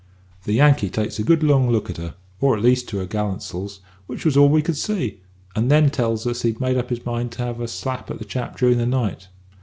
"The Yankee takes a good long look at her, or at least at her to'gallants'ls, which was all we could see, and then tells us he'd made up his mind to have a slap at the chap during the night.